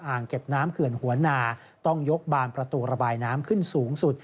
เก็บน้ำเขื่อนหัวนาต้องยกบานประตูระบายน้ำขึ้นสูงสุด